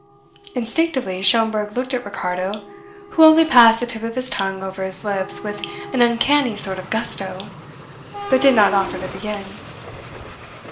Instinctively Schomberg looked at Ricardo, who only passed the tip of his tongue over his lips with an uncanny sort of gusto, but did not offer to begin.